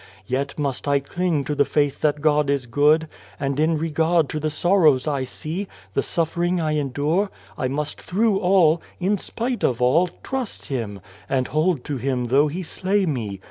Yet must I cling to the faith that God is good ; and in regard to the sorrows I see, the suffering I endure, I must through all in spite of all trust Him, and hold to Him though He slay me.'